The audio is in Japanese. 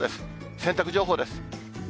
洗濯情報です。